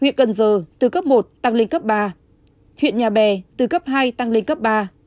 huyện cần giờ từ cấp một tăng lên cấp ba huyện nhà bè từ cấp hai tăng lên cấp ba